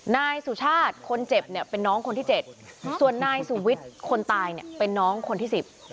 นายสุชาติคนเจ็บเนี่ยเป็นน้องคนที่เจ็ดส่วนนายสุวิทย์คนตายเนี่ยเป็นน้องคนที่สิบ